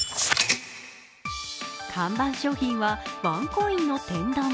看板商品はワンコインの天丼。